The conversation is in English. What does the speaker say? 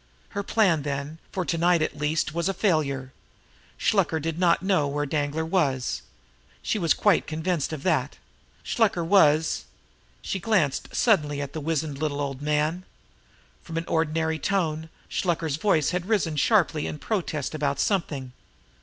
Her plan then, for to night it least, was a failure. Shluker did not know where Danglar was. She was quite convinced of that. Shluker was She glanced suddenly at the wizened little old man. From an ordinary tone, Shluker' s voice had risen sharply in protest about something.